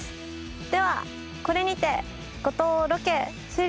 ではこれにて五島ロケ終了です。